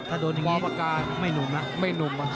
ถ้าโดนอย่างนี้ไม่หนุ่มล่ะ